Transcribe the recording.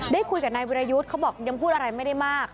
ได้คุยกับนายวิรยุทธ์เขาบอกยังพูดอะไรไม่ได้มาก